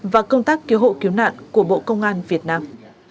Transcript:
và công tác cứu hộ cứu nạn của bộ công an việt nam